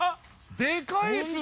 でかいですね！